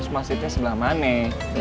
masjidnya sebelah mana